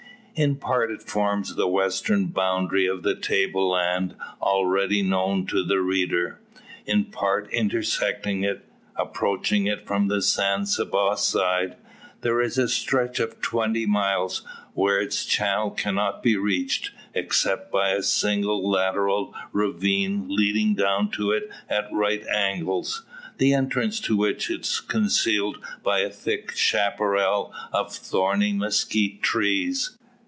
In part it forms the western boundary of the table land, already known to the reader, in part intersecting it. Approaching it from the San Saba side, there is a stretch of twenty miles, where its channel cannot be reached, except by a single lateral ravine leading down to it at right angles, the entrance to which is concealed by a thick chapparal of thorny mezquite trees.